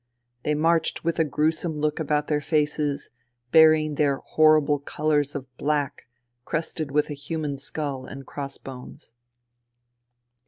They marched with a gruesome look about their faces, bearing their horrible colours of black, crested with a human skull and cross bones.